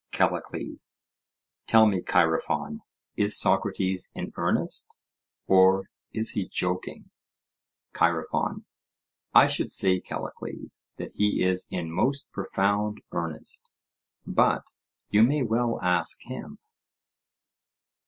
CALLICLES: Tell me, Chaerephon, is Socrates in earnest, or is he joking? CHAEREPHON: I should say, Callicles, that he is in most profound earnest; but you may well ask him.